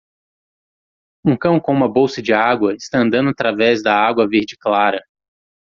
Um cão com uma bolsa de água está andando através da água verde clara.